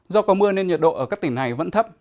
do có mưa nên nhiệt độ ở các tỉnh này vẫn rất lớn